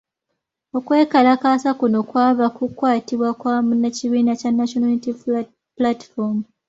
Okwekalakaasa kuno kwava ku kukwatibwa kwa munnakibiina kya National Unity Platform.